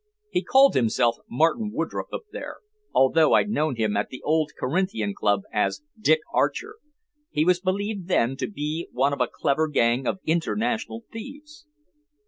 He called himself Martin Woodroffe up there although I'd known him at the old Corinthian Club as Dick Archer. He was believed then to be one of a clever gang of international thieves."